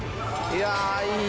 いやいい。